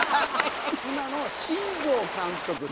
今の新庄監督。